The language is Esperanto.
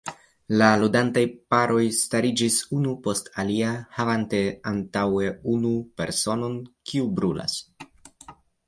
La ludantaj paroj stariĝas unu post alia, havante antaŭe unu personon, kiu "brulas".